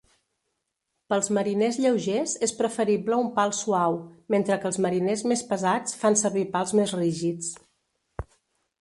Pels mariners lleugers és preferible un pal suau, mentre que els mariners més pesats fan servir pals més rígids.